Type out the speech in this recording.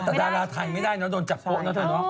แต่ดาราไทยไม่ได้เนอะโดนจับโป๊นะเธอเนาะ